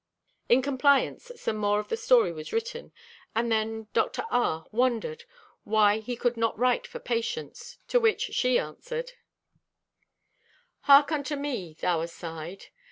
In compliance some more of the story was written, and then Dr. R. "wondered" why he could not write for Patience, to which she answered: "Hark unto me, thou aside.